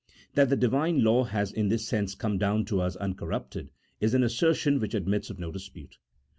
That the Divine law has in this sense come down to us uncorrupted, is an assertion which admits of no dispute.